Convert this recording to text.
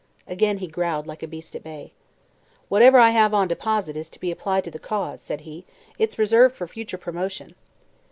Again he growled, like a beast at bay. "Whatever I have on deposit is to be applied to the Cause," said he. "It's reserved for future promotion."